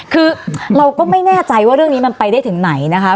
คือเราก็ไม่แน่ใจว่าเรื่องนี้มันไปได้ถึงไหนนะคะ